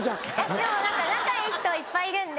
でも何か仲いい人いっぱいいるんで。